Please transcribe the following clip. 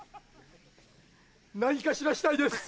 何かしらしたいです。